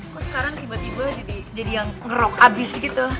kok sekarang tiba tiba jadi yang ngerok abis gitu